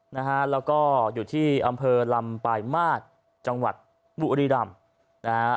นะฮะแล้วก็อยู่ที่อำเภอลำปลายมาสจังหวัดบุรีรำนะฮะ